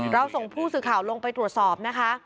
ส่งผู้สื่อข่าวลงไปตรวจสอบนะคะ